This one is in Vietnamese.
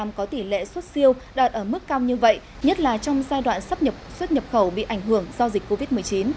năm có tỷ lệ xuất siêu đạt ở mức cao như vậy nhất là trong giai đoạn xuất nhập khẩu bị ảnh hưởng do dịch covid một mươi chín